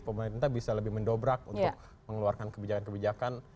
pemerintah bisa lebih mendobrak untuk mengeluarkan kebijakan kebijakan